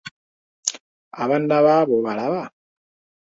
Abaana bo abo obalaba?